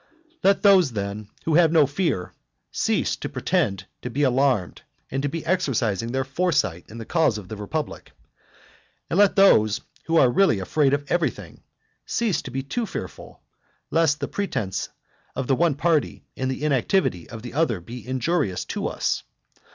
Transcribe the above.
IX. Let those, then, who have no fear, cease to pretend to be alarmed, and to be exercising their foresight in the cause of the republic. And let those who really are afraid of everything, cease to be too fearful, lest the pretence of the one party and the inactivity of the other be injurious to us.